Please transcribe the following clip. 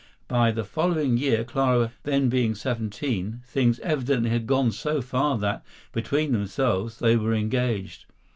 By the following year, Clara then being seventeen, things evidently had gone so far that, between themselves, they were engaged.